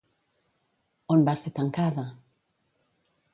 On va ser tancada?